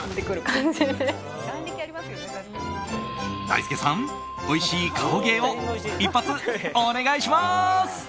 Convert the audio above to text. だいすけさんおいしい顔芸を一発お願いします。